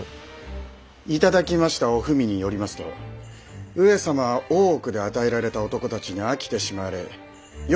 頂きました御文によりますと上様は大奥で与えられた男たちに飽きてしまわれよ